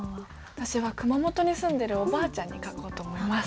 私は熊本に住んでいるおばあちゃんに書こうと思います。